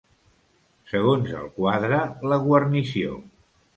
Segons el quadre, la guarnició.